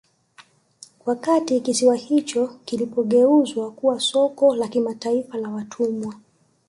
Wakati kisiwa hicho kilipogeuzwa kuwa soko la kimataifa la watumwa